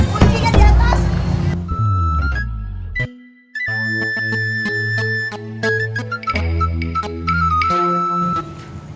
kunci kan diatas